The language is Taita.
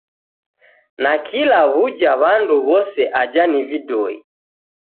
Nakila w'uja w'andu w'ose aja ni vidoi.